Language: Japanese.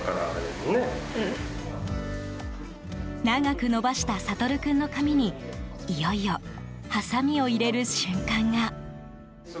長く伸ばした惺君の髪にいよいよはさみを入れる瞬間が。